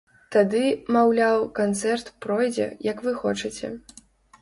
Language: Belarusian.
Тады, маўляў, канцэрт пройдзе, як вы хочаце.